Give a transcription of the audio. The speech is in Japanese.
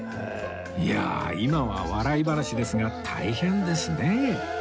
いや今は笑い話ですが大変ですね